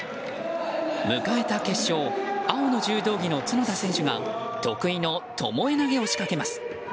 迎えた決勝青の柔道着の角田選手が得意のともえ投げを仕掛けます。